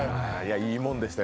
いいもんでしたよ。